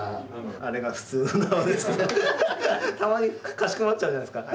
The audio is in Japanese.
たまにかしこまっちゃうじゃないですか。